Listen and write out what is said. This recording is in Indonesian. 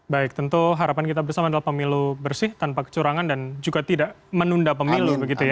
baik tentu harapan kita bersama adalah pemilu bersih tanpa kecurangan dan juga tidak menunda pemilu begitu ya